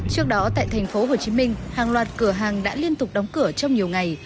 trước đó tại tp hcm hàng loạt cửa hàng đã liên tục đóng cửa trong nhiều ngày